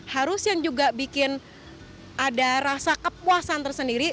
harus yang juga bikin ada rasa kepuasan tersendiri